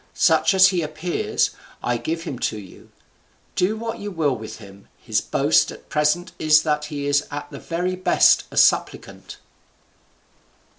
Such as he appears, I give him to you; do what you will with him; his boast at present is that he is at the very best a supplicant."